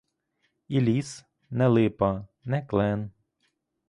І ліс — не липа, не клен.